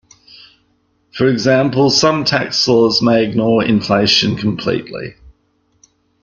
For example, some tax laws may ignore inflation completely.